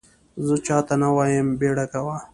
زه چا ته نه وایم بیړه کوه !